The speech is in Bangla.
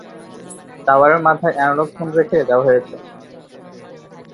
টাওয়ারের মাথায় এনালগ ফোন রেখে দেওয়া হয়েছে।